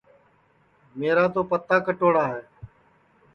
میرا تو پِتا کاڈؔوڑا ہے